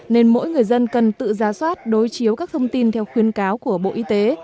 nên mỗi người dân cần tự giá soát đối chiếu các thông tin theo khuyên cáo của bộ y tế